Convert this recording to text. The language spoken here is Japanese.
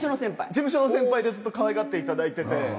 事務所の先輩でずっとかわいがっていただいてて。